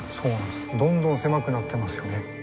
どんどん狭くなってますよね。